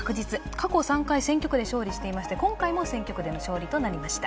過去３回選挙区で勝利していまして、今回も選挙区での勝利となりました。